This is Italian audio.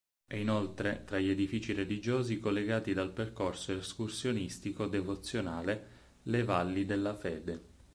È inoltre tra gli edifici religiosi collegati dal percorso escursionistico-devozionale "Le Valli della Fede".